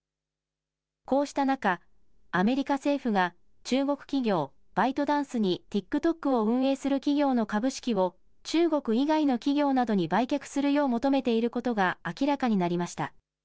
こうした中、アメリカ政府が中国企業、バイトダンスにＴｉｋＴｏｋを運営する企業の株式を中国以外の企業などに売却するよう求めていることが明らかになりました。